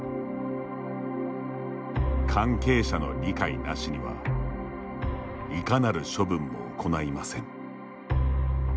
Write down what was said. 関係者の理解なしにはいかなる処分も行いません。